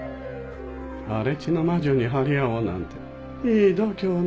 荒地の魔女に張り合おうなんていい度胸ね。